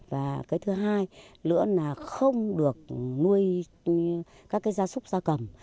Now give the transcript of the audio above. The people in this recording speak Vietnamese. và cái thứ hai nữa là không được nuôi các cái da súc da cầm